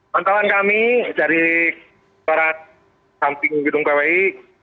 pantauan kami dari kantoran samping gitung pwi